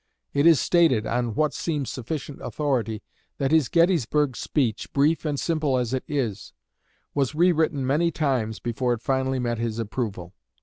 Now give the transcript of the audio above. It is stated, on what seems sufficient authority, that his Gettysburg speech, brief and simple as it is, was rewritten many times before it finally met his approval.